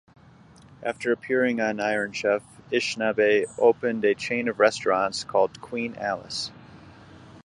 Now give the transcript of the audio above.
After appearing on Iron Chef, Ishinabe opened a chain of restaurants called "Queen Alice".